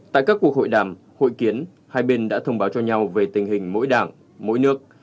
tại các cuộc hội đàm hội kiến hai bên đã thông báo cho nhau về tình hình mỗi đảng mỗi nước